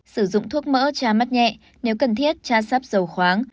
sử dụng thuốc mỡ cha mắt nhẹ nếu cần thiết tra sắp dầu khoáng